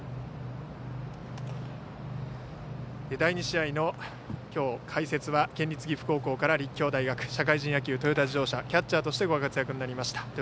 第２試合のきょう、解説は県立岐阜高校から立教大学社会人野球、トヨタ自動車キャッチャーとしてご活躍されました